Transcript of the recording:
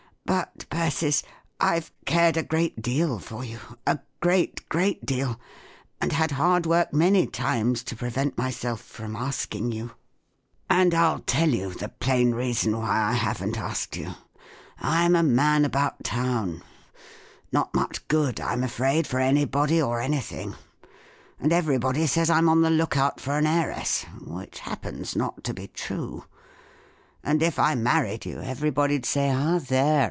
But, Persis, IVe cared a great deal for you—a great, great deal—and had hard u T ork many times to prevent myself from asking you, And I ll tell you the plain reason why I haven't asked voiMl lim a man about town, not mufJN IfSRSlTM) IMM 16 * Anybody or THE GREAT RUBY ROBBERY. 379 anything; and everybody says I'm on the look out for an heiress—which happens not to be true; and if I married you, everybody'd say, * Ah, there